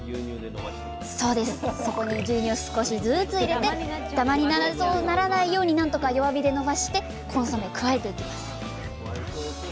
そこに牛乳を少しずつ入れてだまにならないように何とか弱火でのばしてコンソメを加えていきます。